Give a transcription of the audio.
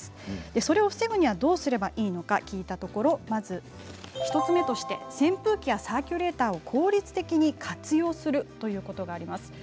それを防ぐにはどうすればいいか聞いたところ１つ目として扇風機やサーキュレーターを効率的に活用するということがあります。